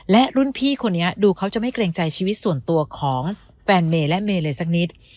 และรุ่นพี่คนนี้ดูเขาจะไม่กลัวใจชีวิตส่วนตัวของแฟนเมแม่เลยแม่หน้านี้